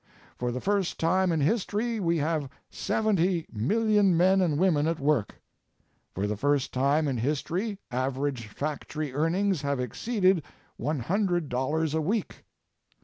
For the first time in history we have 70 million men and women at work. For the first time in history average factory earnings have exceeded $100 a week.